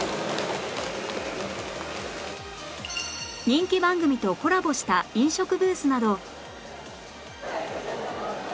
人気番組とコラボした飲食ブースなど